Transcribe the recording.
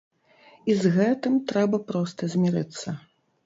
І з гэтым трэба проста змірыцца.